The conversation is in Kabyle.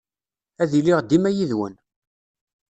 Ad iliɣ dima yid-wen.